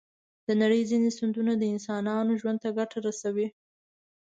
د نړۍ ځینې سیندونه د انسانانو ژوند ته ګټه رسوي.